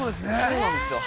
◆そうなんですよ。